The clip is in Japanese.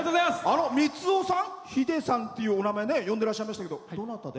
みつおさんひでさんっていうお名前呼んでらっしゃいましたがどなたで？